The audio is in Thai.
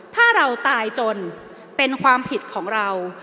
ถ้าเราตายจนเป็นความผิดของเรา